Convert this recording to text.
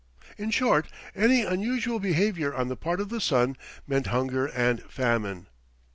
In short, any unusual behavior on the part of the sun meant hunger and famine.